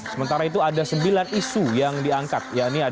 sementara itu ada sembilan isu yang diangkat